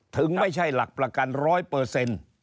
ถึงไม่ใช่หลักประกัน๑๐๐